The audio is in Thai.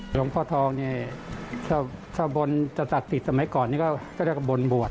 หลวงพ่อทองเนี่ยชาวบ้านจัดสิทธิ์สมัยก่อนก็เรียกว่าบนบวช